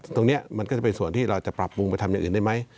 มันก็จะเป็นส่วนที่เราจะปรับปรุงไปทำอย่างอื่นได้ไหม